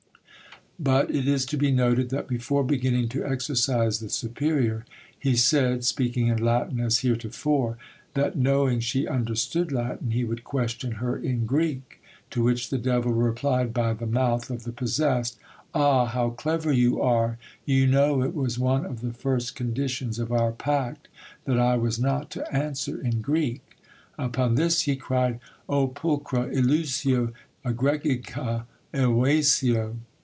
But it is to be noted that before beginning to exorcise the superior, he said, speaking in Latin as heretofore, that knowing she understood Latin, he would question her in Greek. To which the devil replied by the mouth of the possessed: "'Ah! how clever you are! You know it was one of the first conditions of our pact that I was not to answer in Greek.' "Upon this, he cried, 'O pulchra illusio, egregica evasio!